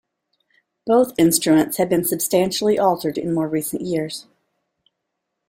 Both instruments have been substantially altered in more recent years.